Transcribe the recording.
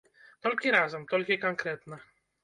Толькі разам, толькі канкрэтна.